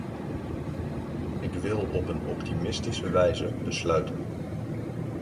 Ik wil op een optimistische wijze besluiten.